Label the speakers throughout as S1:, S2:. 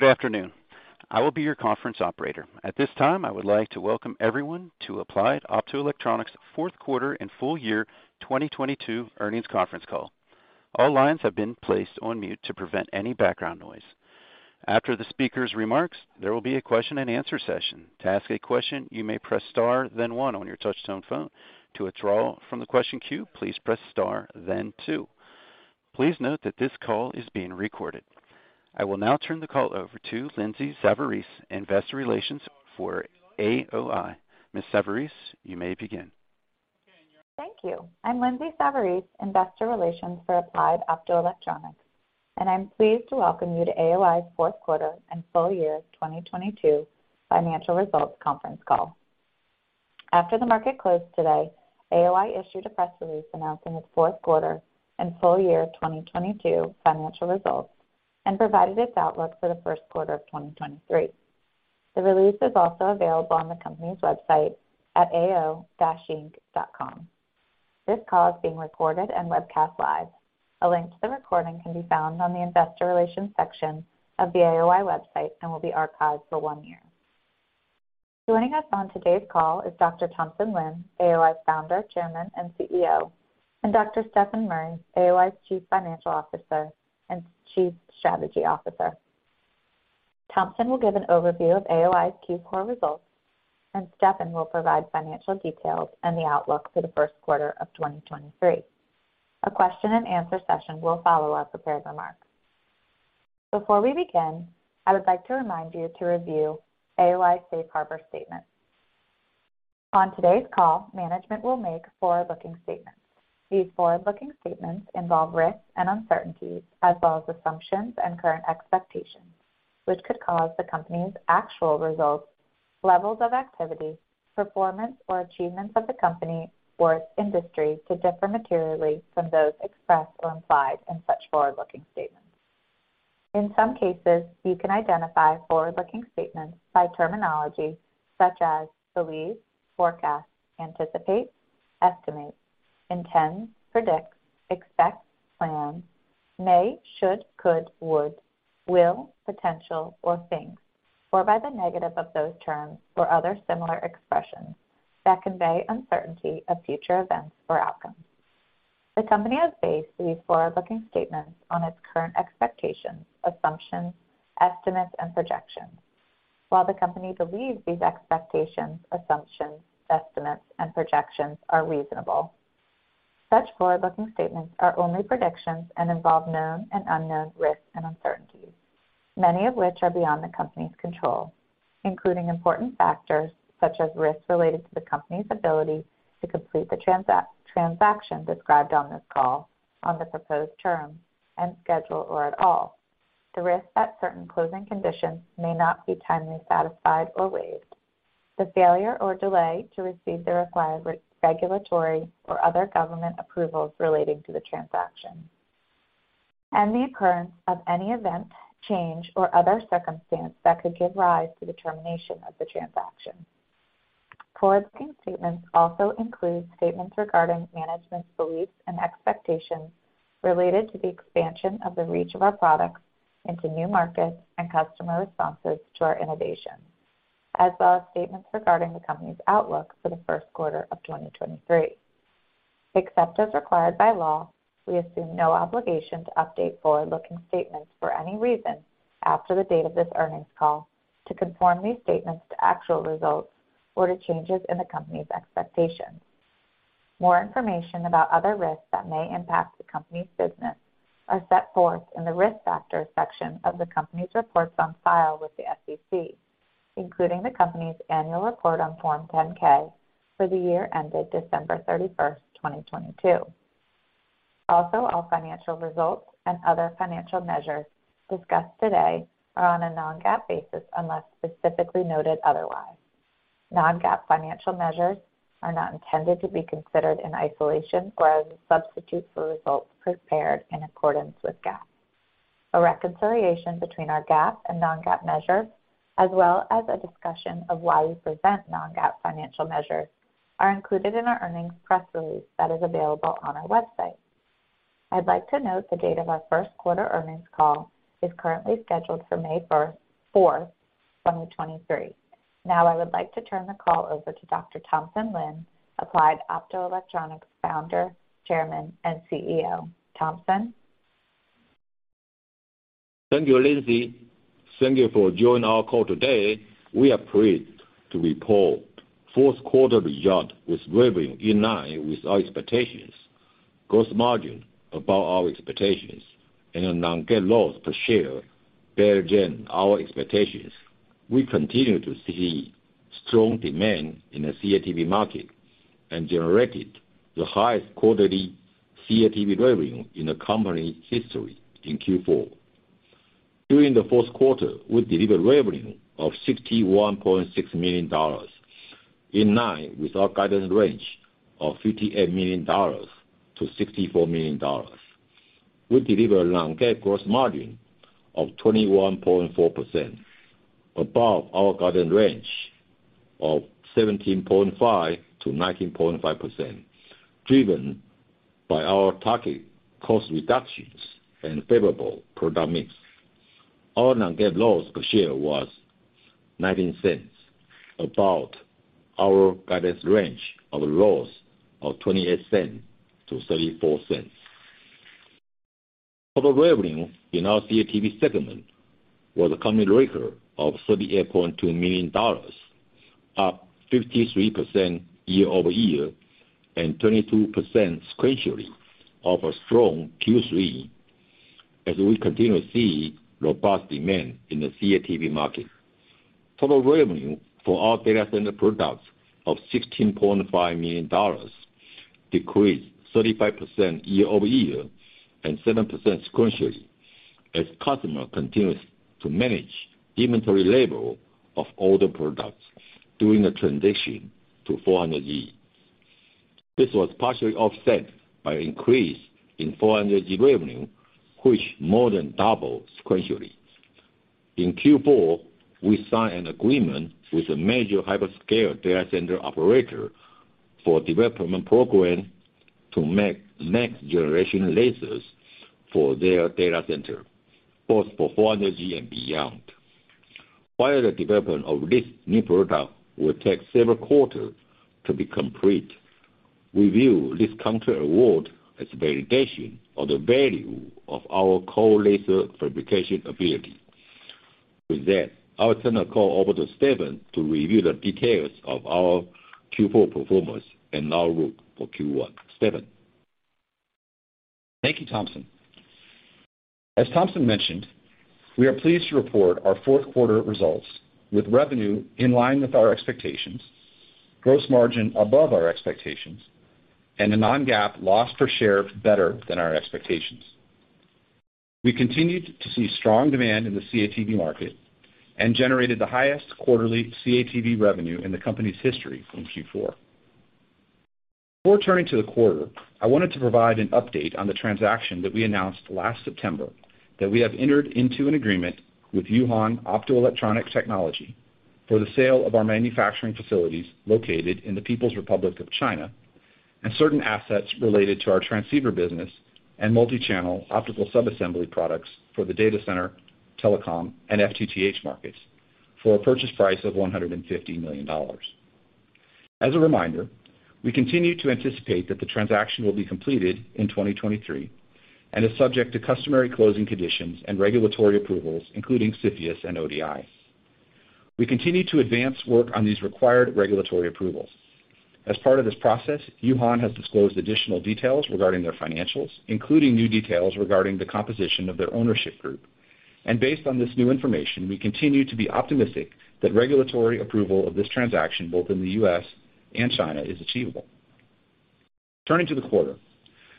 S1: Good afternoon. I will be your conference operator. At this time, I would like to welcome everyone to Applied Optoelectronics fourth quarter and full year 2022 earnings conference call. All lines have been placed on mute to prevent any background noise. After the speaker's remarks, there will be a question-and-answer session. To ask a question, you may press Star then one on your touchtone phone. To withdraw from the question queue, please press Star then two. Please note that this call is being recorded. I will now turn the call over to Lindsay Savarese, investor relations for AOI. Ms. Savarese, you may begin.
S2: Thank you. I'm Lindsay Savarese, investor relations for Applied Optoelectronics, and I'm pleased to welcome you to AOI fourth quarter and full year 2022 financial results conference call. After the market closed today, AOI issued a press release announcing its fourth quarter and full year 2022 financial results and provided its outlook for the first quarter of 2023. The release is also available on the company's website at ao-inc.com. This call is being recorded and webcast live. A link to the recording can be found on the investor relations section of the AOI website and will be archived for one year. Joining us on today's call is Dr. Thompson Lin, AOI founder, chairman, and CEO, and Dr. Stefan Murry, AOI's chief financial officer and chief strategy officer. Thompson will give an overview of AOI's Q4 results, Stefan will provide financial details and the outlook for the first quarter of 2023. A question-and-answer session will follow our prepared remarks. Before we begin, I would like to remind you to review AOI safe harbor statement. On today's call, management will make forward-looking statements. These forward-looking statements involve risks and uncertainties as well as assumptions and current expectations, which could cause the company's actual results, levels of activity, performance or achievements of the company or its industry to differ materially from those expressed or implied in such forward-looking statements. In some cases, you can identify forward-looking statements by terminology such as believe, forecast, anticipate, estimate, intend, predict, expect, plan, may, should, could, would, will, potential or think, or by the negative of those terms or other similar expressions that convey uncertainty of future events or outcomes. The company has based these forward-looking statements on its current expectations, assumptions, estimates and projections. While the company believes these expectations, assumptions, estimates and projections are reasonable, such forward-looking statements are only predictions and involve known and unknown risks and uncertainties, many of which are beyond the company's control, including important factors such as risks related to the company's ability to complete the transaction described on this call on the proposed term and schedule or at all. The risk that certain closing conditions may not be timely satisfied or waived. The failure or delay to receive the required regulatory or other government approvals relating to the transaction, and the occurrence of any event, change or other circumstance that could give rise to the termination of the transaction. Forward-looking statements also include statements regarding management's beliefs and expectations related to the expansion of the reach of our products into new markets and customer responses to our innovation, as well as statements regarding the company's outlook for the first quarter of 2023. Except as required by law, we assume no obligation to update forward-looking statements for any reason after the date of this earnings call to conform these statements to actual results or to changes in the company's expectations. More information about other risks that may impact the company's business are set forth in the Risk Factors section of the company's reports on file with the SEC, including the company's annual report on Form 10-K for the year ended December 31st, 2022. Also, all financial results and other financial measures discussed today are on a non-GAAP basis unless specifically noted otherwise. Non-GAAP financial measures are not intended to be considered in isolation or as a substitute for results prepared in accordance with GAAP. A reconciliation between our GAAP and non-GAAP measures, as well as a discussion of why we present non-GAAP financial measures, are included in our earnings press release that is available on our website. I'd like to note the date of our first quarter earnings call is currently scheduled for May 4, 2023. Now I would like to turn the call over to Dr. Thompson Lin, Applied Optoelectronics founder, chairman, and CEO. Thompson?
S3: Thank you, Lindsay. Thank you for joining our call today. We are pleased to report fourth quarter result was revenue in line with our expectations, gross margin above our expectations, and a non-GAAP loss per share better than our expectations. We continue to see strong demand in the CATV market and generated the highest quarterly CATV revenue in the company's history in Q4. During the fourth quarter, we delivered revenue of $61.6 million, in line with our guidance range of $58 million-$64 million. We delivered non-GAAP gross margin of 21.4%, above our guided range of 17.5%-19.5%, driven by our target cost reductions and favorable product mix. Our non-GAAP loss per share was $0.19, above our guidance range of a loss of $0.28-$0.34. Total revenue in our CATV segment was a company record of $38.2 million, up 53% year-over-year and 22% sequentially off a strong Q3 as we continue to see robust demand in the CATV market. Total revenue for our data center products of $16.5 million decreased 35% year-over-year and 7% sequentially as customer continues to manage inventory level of older products during the transition to 400G. This was partially offset by increase in 400G revenue, which more than doubled sequentially. In Q4, we signed an agreement with a major hyperscale data center operator for development program to make next-generation lasers for their data center, both for 400G and beyond. While the development of this new product will take several quarters to be complete, we view this contract award as validation of the value of our core laser fabrication ability. I'll turn the call over to Stefan to review the details of our Q4 performance and outlook for Q1. Stefan?
S4: Thank you, Thompson. As Thompson mentioned, we are pleased to report our fourth quarter results with revenue in line with our expectations, gross margin above our expectations, and a non-GAAP loss per share better than our expectations. We continued to see strong demand in the CATV market and generated the highest quarterly CATV revenue in the company's history in Q4. Before turning to the quarter, I wanted to provide an update on the transaction that we announced last September that we have entered into an agreement with Wuhan Optoelectronic Technology for the sale of our manufacturing facilities located in the People's Republic of China and certain assets related to our transceiver business and multi-channel optical sub-assembly products for the data center, telecom, and FTTH markets for a purchase price of $150 million. As a reminder, we continue to anticipate that the transaction will be completed in 2023 and is subject to customary closing conditions and regulatory approvals, including CFIUS and ODI. We continue to advance work on these required regulatory approvals. As part of this process, Wuhan has disclosed additional details regarding their financials, including new details regarding the composition of their ownership group. Based on this new information, we continue to be optimistic that regulatory approval of this transaction, both in the U.S. and China, is achievable. Turning to the quarter,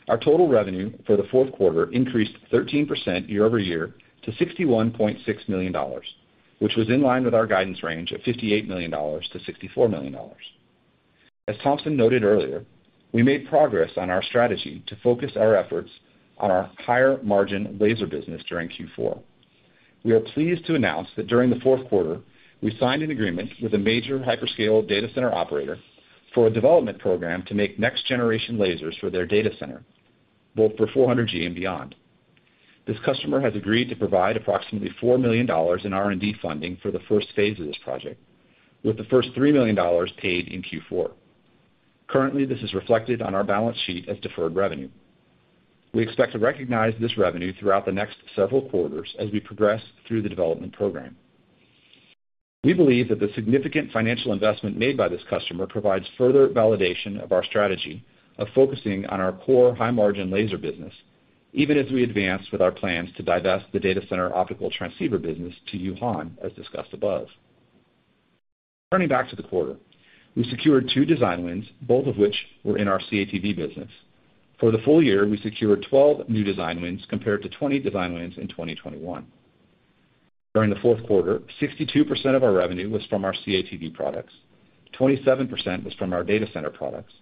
S4: our total revenue for the fourth quarter increased 13% year-over-year to $61.6 million, which was in line with our guidance range of $58 million-$64 million. As Thompson noted earlier, we made progress on our strategy to focus our efforts on our higher margin laser business during Q4. We are pleased to announce that during the fourth quarter, we signed an agreement with a major hyperscale data center operator for a development program to make next-generation lasers for their data center, both for 400G and beyond. This customer has agreed to provide approximately $4 million in R&D funding for the first phase of this project, with the first $3 million paid in Q4. Currently, this is reflected on our balance sheet as deferred revenue. We expect to recognize this revenue throughout the next several quarters as we progress through the development program. We believe that the significant financial investment made by this customer provides further validation of our strategy of focusing on our core high-margin laser business, even as we advance with our plans to divest the data center optical transceiver business to Wuhan, as discussed above. Turning back to the quarter, we secured 2 design wins, both of which were in our CATV business. For the full year, we secured 12 new design wins compared to 20 design wins in 2021. During the fourth quarter, 62% of our revenue was from our CATV products, 27% was from our data center products,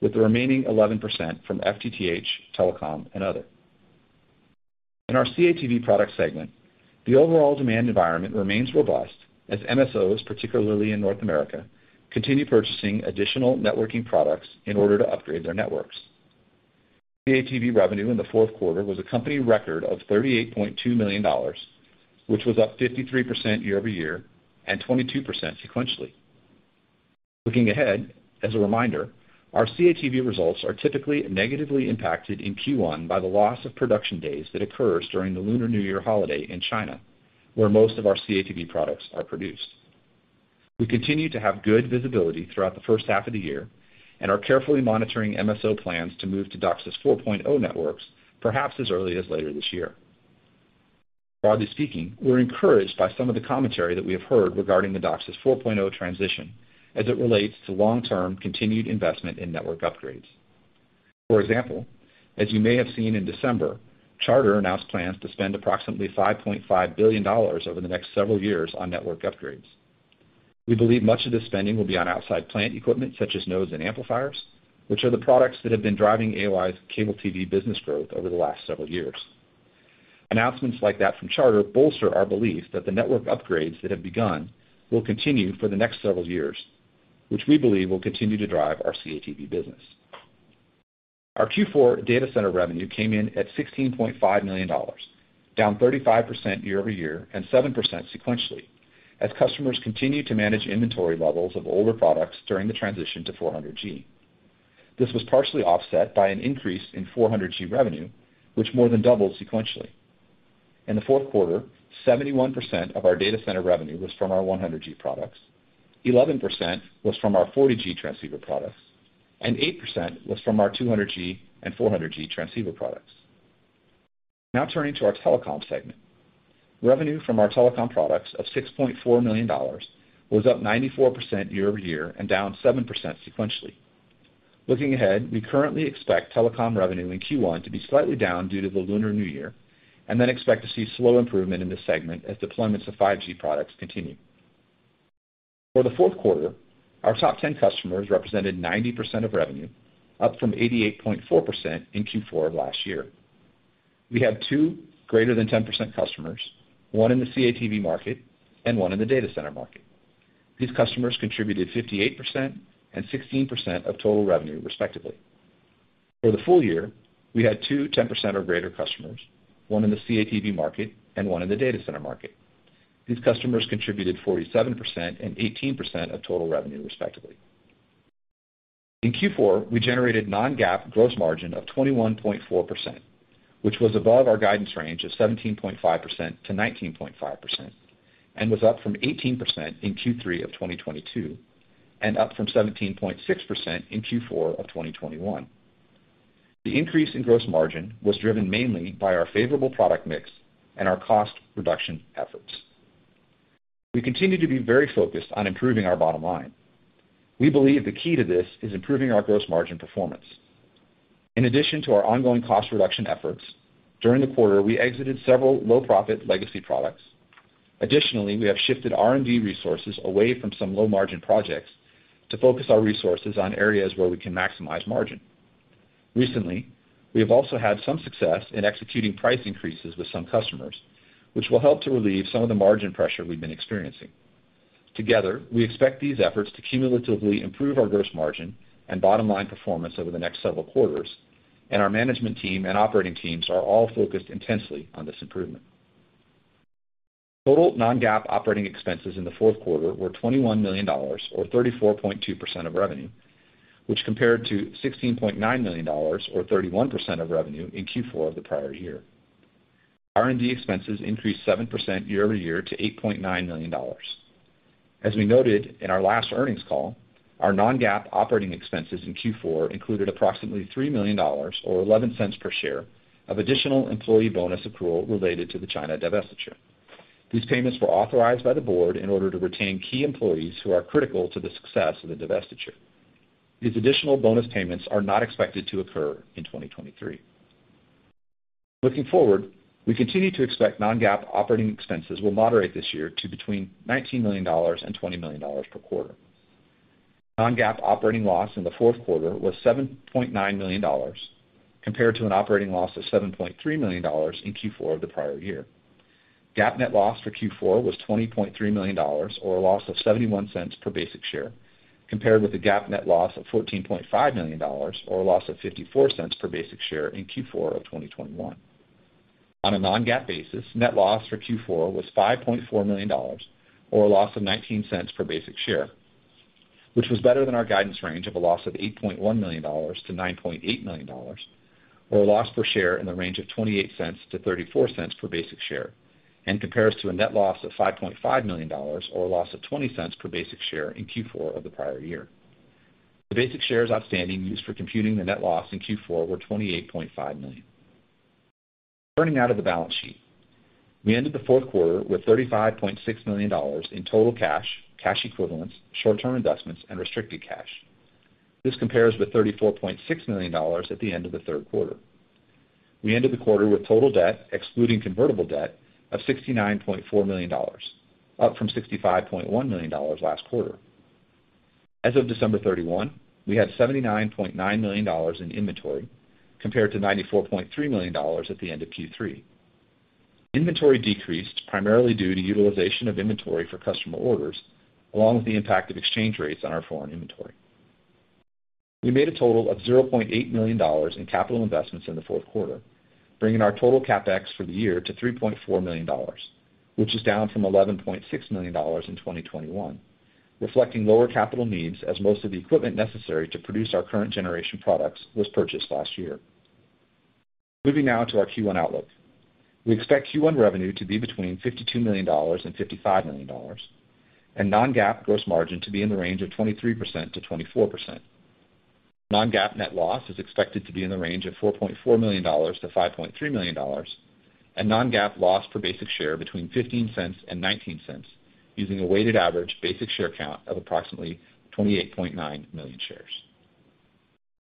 S4: with the remaining 11% from FTTH, telecom, and other. In our CATV product segment, the overall demand environment remains robust as MSOs, particularly in North America, continue purchasing additional networking products in order to upgrade their networks. CATV revenue in the fourth quarter was a company record of $38.2 million, which was up 53% year-over-year and 22% sequentially. Looking ahead, as a reminder, our CATV results are typically negatively impacted in Q1 by the loss of production days that occurs during the Lunar New Year holiday in China, where most of our CATV products are produced. We continue to have good visibility throughout the first half of the year and are carefully monitoring MSO plans to move to DOCSIS 4.0 networks, perhaps as early as later this year. Broadly speaking, we're encouraged by some of the commentary that we have heard regarding the DOCSIS 4.0 transition as it relates to long-term continued investment in network upgrades. As you may have seen in December, Charter announced plans to spend approximately $5.5 billion over the next several years on network upgrades. We believe much of the spending will be on outside plant equipment such as nodes and amplifiers, which are the products that have been driving AOI's CATV business growth over the last several years. Announcements like that from Charter bolster our belief that the network upgrades that have begun will continue for the next several years, which we believe will continue to drive our CATV business. Our Q4 data center revenue came in at $16.5 million, down 35% year-over-year and 7% sequentially as customers continued to manage inventory levels of older products during the transition to 400G. This was partially offset by an increase in 400G revenue, which more than doubled sequentially. In the fourth quarter, 71% of our data center revenue was from our 100G products, 11% was from our 40G transceiver products, and 8% was from our 200G and 400G transceiver products. Turning to our telecom segment. Revenue from our telecom products of $6.4 million was up 94% year-over-year and down 7% sequentially. Looking ahead, we currently expect telecom revenue in Q1 to be slightly down due to the Lunar New Year, and then expect to see slow improvement in this segment as deployments of 5G products continue. For the fourth quarter, our top 10 customers represented 90% of revenue, up from 88.4% in Q4 last year. We have two greater than 10% customers, one in the CATV market and one in the data center market. These customers contributed 58% and 16% of total revenue, respectively. For the full year, we had 2 10% or greater customers, one in the CATV market and one in the data center market. These customers contributed 47% and 18% of total revenue, respectively. In Q4, we generated non-GAAP gross margin of 21.4%, which was above our guidance range of 17.5%-19.5%, and was up from 18% in Q3 of 2022, and up from 17.6% in Q4 of 2021. The increase in gross margin was driven mainly by our favorable product mix and our cost reduction efforts. We continue to be very focused on improving our bottom line. We believe the key to this is improving our gross margin performance. In addition to our ongoing cost reduction efforts, during the quarter, we exited several low-profit legacy products. Additionally, we have shifted R&D resources away from some low-margin projects to focus our resources on areas where we can maximize margin. Recently, we have also had some success in executing price increases with some customers, which will help to relieve some of the margin pressure we've been experiencing. Together, we expect these efforts to cumulatively improve our gross margin and bottom line performance over the next several quarters, and our management team and operating teams are all focused intensely on this improvement. Total non-GAAP operating expenses in the fourth quarter were $21 million or 34.2% of revenue, which compared to $16.9 million or 31% of revenue in Q4 of the prior year. R&D expenses increased 7% year-over-year to $8.9 million. As we noted in our last earnings call, our non-GAAP operating expenses in Q4 included approximately $3 million or $0.11 per share of additional employee bonus accrual related to the China divestiture. These payments were authorized by the board in order to retain key employees who are critical to the success of the divestiture. These additional bonus payments are not expected to occur in 2023. Looking forward, we continue to expect non-GAAP operating expenses will moderate this year to between $19 million and $20 million per quarter. Non-GAAP operating loss in the fourth quarter was $7.9 million compared to an operating loss of $7.3 million in Q4 of the prior year. GAAP net loss for Q4 was $20.3 million or a loss of $0.71 per basic share, compared with the GAAP net loss of $14.5 million or a loss of $0.54 per basic share in Q4 of 2021. On a non-GAAP basis, net loss for Q4 was $5.4 million or a loss of $0.19 per basic share, which was better than our guidance range of a loss of $8.1 million-$9.8 million, or a loss per share in the range of $0.28-$0.34 per basic share, and compares to a net loss of $5.5 million or a loss of $0.20 per basic share in Q4 of the prior year. The basic shares outstanding used for computing the net loss in Q4 were 28.5 million. Turning now to the balance sheet. We ended the fourth quarter with $35.6 million in total cash equivalents, short-term investments, and restricted cash. This compares with $34.6 million at the end of the third quarter. We ended the quarter with total debt, excluding convertible debt, of $69.4 million, up from $65.1 million last quarter. As of December 31, we had $79.9 million in inventory, compared to $94.3 million at the end of Q3. Inventory decreased primarily due to utilization of inventory for customer orders, along with the impact of exchange rates on our foreign inventory. We made a total of $0.8 million in capital investments in the fourth quarter, bringing our total CapEx for the year to $3.4 million, which is down from $11.6 million in 2021, reflecting lower capital needs as most of the equipment necessary to produce our current generation products was purchased last year. Moving now to our Q1 outlook. We expect Q1 revenue to be between $52 million and $55 million, and non-GAAP gross margin to be in the range of 23%-24%. Non-GAAP net loss is expected to be in the range of $4.4 million-$5.3 million, and non-GAAP loss per basic share between $0.15 and $0.19, using a weighted average basic share count of approximately 28.9 million shares.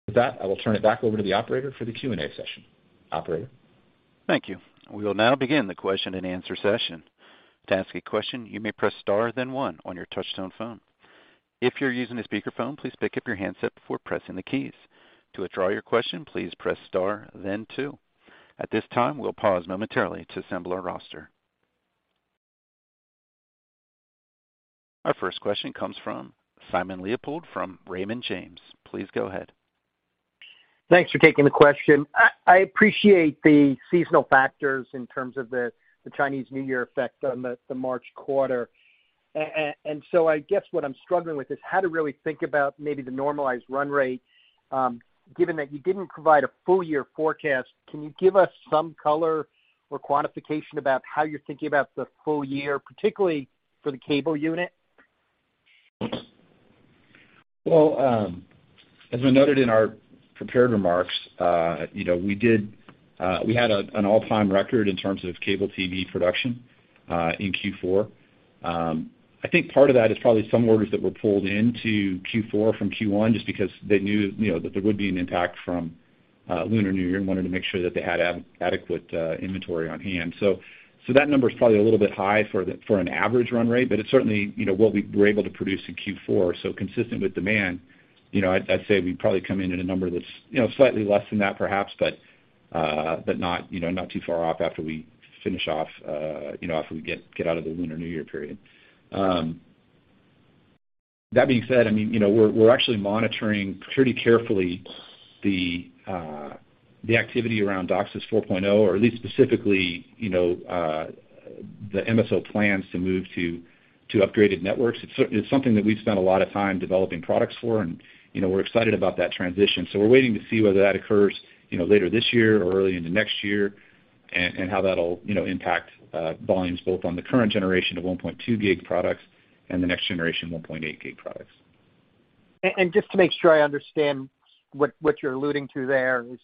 S4: With that, I will turn it back over to the operator for the Q&A session. Operator?
S1: Thank you. We will now begin the question-and-answer session. To ask a question, you may press star then one on your touchtone phone. If you're using a speakerphone, please pick up your handset before pressing the keys. To withdraw your question, please press star then two. At this time, we'll pause momentarily to assemble our roster. Our first question comes from Simon Leopold from Raymond James. Please go ahead.
S5: Thanks for taking the question. I appreciate the seasonal factors in terms of the Chinese New Year effect on the March quarter. I guess what I'm struggling with is how to really think about maybe the normalized run rate, given that you didn't provide a full year forecast. Can you give us some color or quantification about how you're thinking about the full year, particularly for the cable unit?
S4: As we noted in our prepared remarks, you know, we did, we had an all-time record in terms of cable TV production in Q4. I think part of that is probably some orders that were pulled into Q4 from Q1 just because they knew, you know, that there would be an impact from Lunar New Year and wanted to make sure that they had adequate inventory on hand. That number is probably a little bit high for an average run rate, but it's certainly, you know, what we were able to produce in Q4. Consistent with demand, you know, I'd say we probably come in at a number that's, you know, slightly less than that perhaps, but not, you know, not too far off after we finish off, you know, after we get out of the Lunar New Year period. That being said, I mean, you know, we're actually monitoring pretty carefully the activity around DOCSIS 4.0, or at least specifically, you know, the MSO plans to move to upgraded networks. It's something that we've spent a lot of time developing products for and, you know, we're excited about that transition. We're waiting to see whether that occurs, you know, later this year or early into next year and how that'll, you know, impact volumes both on the current generation of 1.2 GHz products and the next generation 1.8 GHz products.
S5: Just to make sure I understand what you're alluding to there is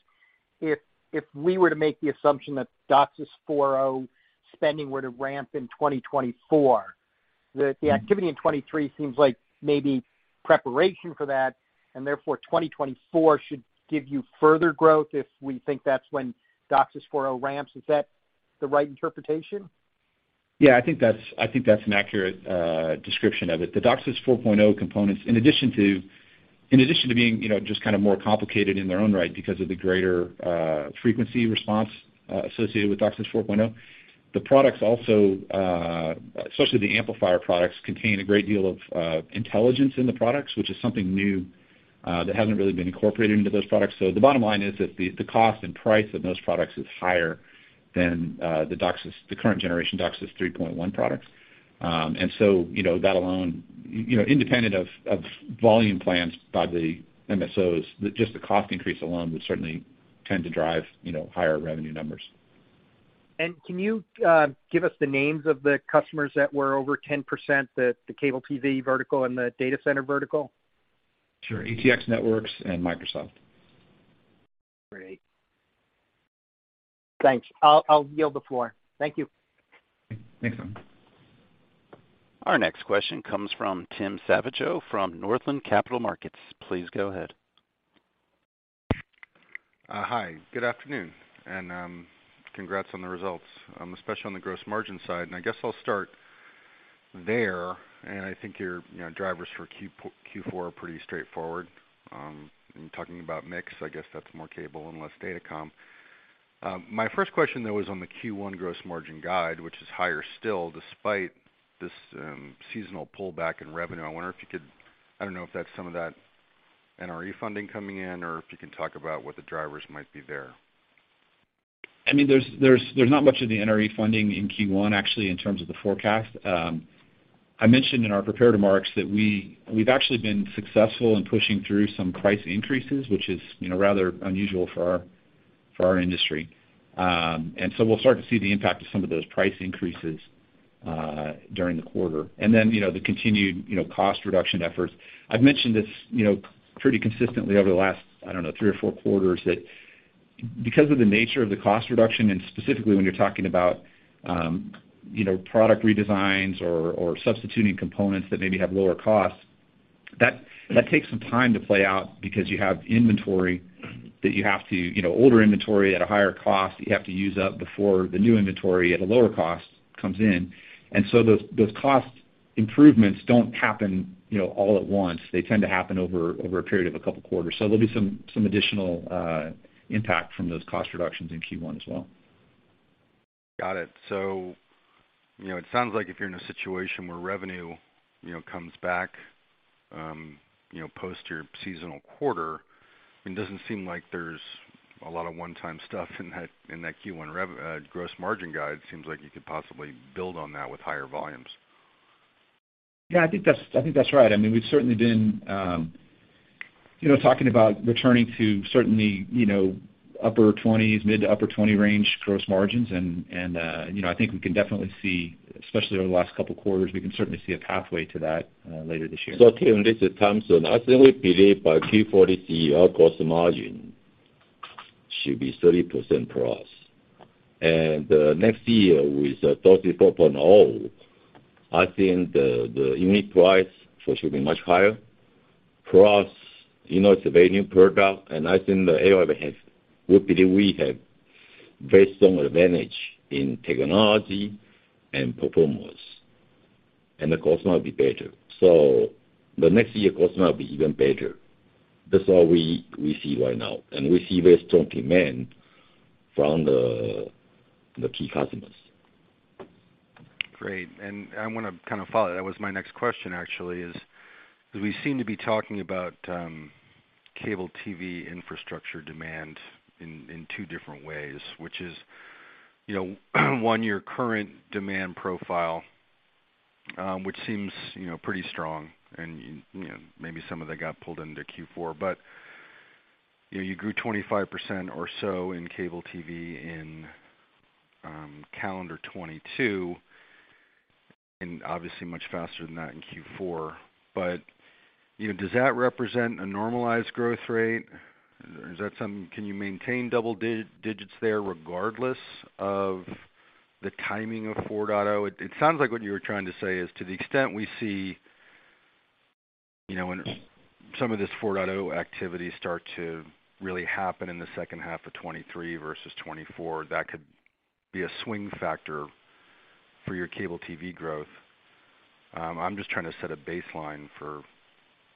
S5: if we were to make the assumption that DOCSIS 4.0 spending were to ramp in 2024, the activity in 2023 seems like maybe preparation for that, and therefore, 2024 should give you further growth if we think that's when DOCSIS 4.0 ramps. Is that the right interpretation?
S4: Yeah, I think that's, I think that's an accurate description of it. The DOCSIS 4.0 components, in addition to being, you know, just kind of more complicated in their own right because of the greater frequency response associated with DOCSIS 4.0, the products also, especially the amplifier products, contain a great deal of intelligence in the products, which is something new that hasn't really been incorporated into those products. The bottom line is that the cost and price of those products is higher than the DOCSIS, the current generation DOCSIS 3.1 products. You know, that alone, you know, independent of volume plans by the MSOs, just the cost increase alone would certainly tend to drive, you know, higher revenue numbers.
S5: Can you give us the names of the customers that were over 10%, the cable TV vertical and the data center vertical?
S4: Sure. ATX Networks and Microsoft.
S5: Great. Thanks. I'll yield the floor. Thank you.
S4: Thanks. Thanks, Simon.
S1: Our next question comes from Tim Savageaux from Northland Capital Markets. Please go ahead.
S6: Hi. Good afternoon, and congrats on the results, especially on the gross margin side. I guess I'll start there. I think your, you know, drivers for Q4 are pretty straightforward in talking about mix. I guess that's more cable and less datacom. My first question though was on the Q1 gross margin guide, which is higher still despite this seasonal pullback in revenue. I wonder if you could. I don't know if that's some of that NRE funding coming in, or if you can talk about what the drivers might be there?
S4: I mean, there's not much of the NRE funding in Q1 actually in terms of the forecast. I mentioned in our prepared remarks that we've actually been successful in pushing through some price increases, which is, you know, rather unusual for our industry. So we'll start to see the impact of some of those price increases during the quarter. Then, you know, the continued, you know, cost reduction efforts. I've mentioned this, you know, pretty consistently over the last, I don't know, 3 or 4 quarters that because of the nature of the cost reduction and specifically when you're talking about, you know, product redesigns or substituting components that maybe have lower costs, that takes some time to play out because you have inventory that you have to, you know, older inventory at a higher cost that you have to use up before the new inventory at a lower cost comes in. Those cost improvements don't happen, you know, all at once. They tend to happen over a period of a couple quarters. There'll be some additional impact from those cost reductions in Q1 as well.
S6: Got it. You know, it sounds like if you're in a situation where revenue, you know, comes back, you know, post your seasonal quarter, it doesn't seem like there's a lot of one-time stuff in that Q1 gross margin guide. Seems like you could possibly build on that with higher volumes.
S4: I think that's right. I mean, we've certainly been, you know, talking about returning to certainly, you know, upper 20s, mid- to upper 20% range gross margins, and, you know, I think we can definitely see, especially over the last couple quarters, we can certainly see a pathway to that later this year.
S3: Tim, this is Thompson. I certainly believe our Q4 CEO gross margin should be 30%+. Next year with 34.0, I think the unit price should be much higher. You know, it's a very new product, and I think the AOI has we believe we have very strong advantage in technology and performance, and the cost might be better. The next year cost might be even better. That's all we see right now, and we see very strong demand from the key customers.
S6: Great. I want to kind of follow. That was my next question, actually, is we seem to be talking about cable TV infrastructure demand in two different ways, which is, you know, one, your current demand profile, which seems, you know, pretty strong and you know, maybe some of that got pulled into Q4. You know, you grew 25% or so in cable TV in calendar 2022, and obviously much faster than that in Q4. You know, does that represent a normalized growth rate? Is that something, can you maintain double digits there regardless of the timing of 4.0? It sounds like what you were trying to say is to the extent we see, you know, when some of this 4.0 activity start to really happen in the second half of 2023 versus 2024, that could be a swing factor for your cable TV growth. I'm just trying to set a baseline for,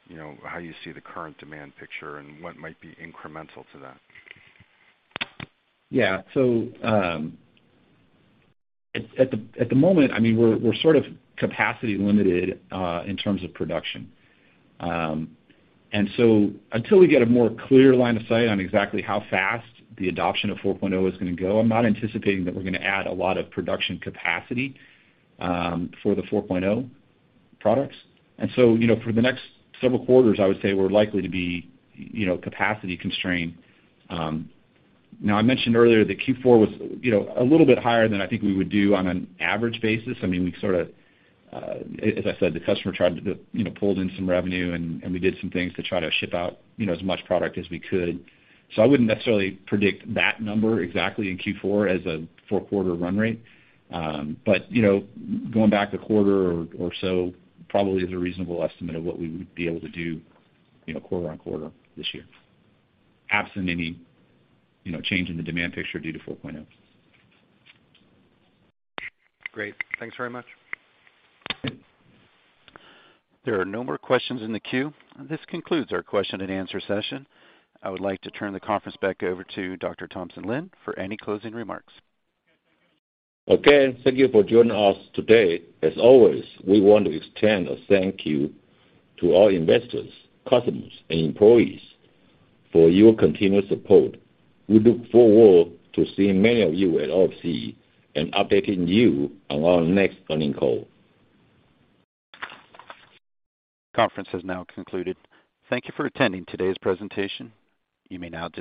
S6: you know, how you see the current demand picture and what might be incremental to that.
S4: Yeah. At the moment, I mean, we're sort of capacity limited in terms of production. Until we get a more clear line of sight on exactly how fast the adoption of 4.0 is gonna go, I'm not anticipating that we're gonna add a lot of production capacity for the 4.0 products. You know, for the next several quarters, I would say we're likely to be, you know, capacity constrained. Now, I mentioned earlier that Q4 was, you know, a little bit higher than I think we would do on an average basis. I mean, we sort of, as I said, the customer tried to, you know, pulled in some revenue, and we did some things to try to ship out, you know, as much product as we could. I wouldn't necessarily predict that number exactly in Q4 as a 4 quarter run rate. You know, going back a quarter or so probably is a reasonable estimate of what we would be able to do, you know, quarter on quarter this year, absent any, you know, change in the demand picture due to 4.0.
S6: Great. Thanks very much.
S1: There are no more questions in the queue. This concludes our question and answer session. I would like to turn the conference back over to Dr. Thompson Lin for any closing remarks.
S3: Thank you for joining us today. As always, we want to extend a thank you to all investors, customers and employees for your continued support. We look forward to seeing many of you at OFC and updating you on our next earnings call.
S1: Conference has now concluded. Thank you for attending today's presentation. You may now disconnect.